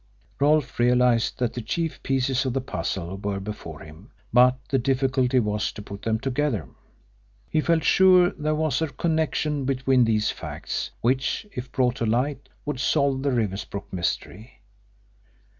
Rolfe realised that the chief pieces of the puzzle were before him, but the difficulty was to put them together. He felt sure there was a connection between these facts, which, if brought to light, would solve the Riversbrook mystery.